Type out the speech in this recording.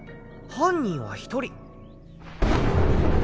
犯人は１人。